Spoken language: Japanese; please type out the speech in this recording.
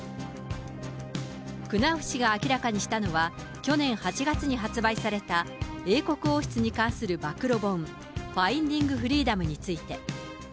クナウフ氏が明らかにしたのは、去年８月に発売された、英国王室に関する暴露本、ファインディングフリーダムについて。